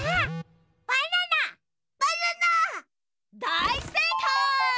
だいせいかい！